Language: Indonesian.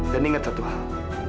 dan inget satu hal